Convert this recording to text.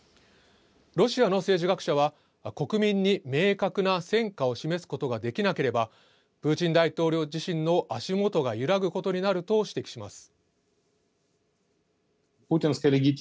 ロシアの政治学者は、国民に明確な戦果を示すことができなければ、プーチン大統領自身の足元が揺らぐことになると指摘します。